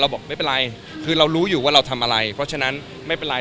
บอกไม่เป็นไรคือเรารู้อยู่ว่าเราทำอะไรเพราะฉะนั้นไม่เป็นไร